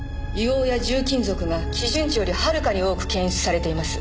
硫黄や重金属が基準値よりはるかに多く検出されています。